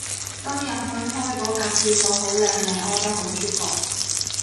今日去開嗰格廁所好靚靚屙得好舒服